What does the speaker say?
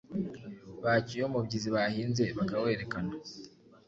bacyuye umubyizi bahinze bakawerekana